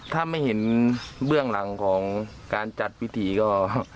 ถ้าไม่เห็นเบื้องหลังของการจัดพิธีก็